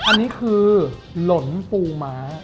อันนี้คือหล่นปูม้า